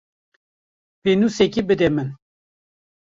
Pênûsekê bide min.